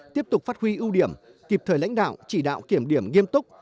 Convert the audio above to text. tiếp tục phát huy ưu điểm kịp thời lãnh đạo chỉ đạo kiểm điểm nghiêm túc